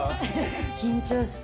緊張した。